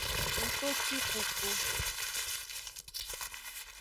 Ngtotwikuku.